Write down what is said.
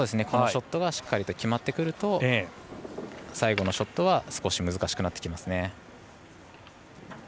このショットがしっかり決まってくると最後のショットは少し難しくなってきますね。